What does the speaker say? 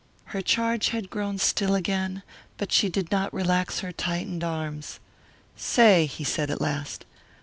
Her charge had grown still again, but she did not relax her tightened arms. "Say," he said at last.